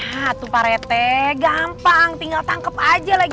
ya tuh parete gampang tinggal tangkep aja lagi